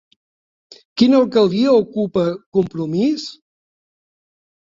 Quina alcaldia ocupa Compromís?